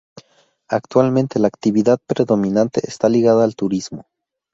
Actualmente la actividad predominante está ligada al turismo.